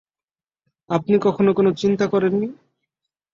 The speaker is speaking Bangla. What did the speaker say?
আপনি কখনো কোনো চিন্তা করেননি?